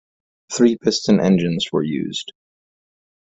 Three piston engines were used.